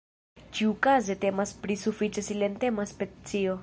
Ĉiukaze temas pri sufiĉe silentema specio.